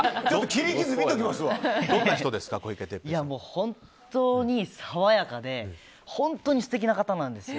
本当に爽やかで本当に素敵な方なんです。